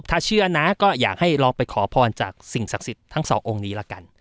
ถ้าเชื่อนะก็อยากให้ลองไปขอพรจากสิ่งศักดิ์สิทธิ์ทั้งสององค์นี้ละกัน